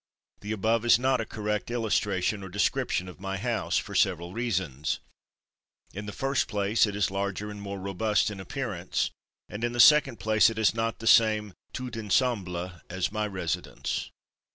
The above is not a correct illustration or description of my house, for several reasons. In the first place, it is larger and more robust in appearance, and in the second place it has not the same tout ensemble as my residence.